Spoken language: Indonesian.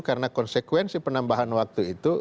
karena konsekuensi penambahan waktu itu